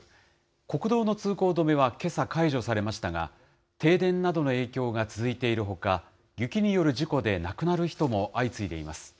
国道の通行止めはけさ解除されましたが、停電などの影響が続いているほか、雪による事故で亡くなる人も相次いでいます。